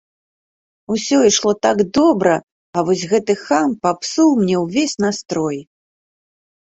Усё ішло так добра, а вось гэты хам папсуў мне ўвесь настрой!